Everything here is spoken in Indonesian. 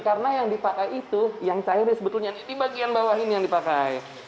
karena yang dipakai itu yang cairnya sebetulnya di bagian bawah ini yang dipakai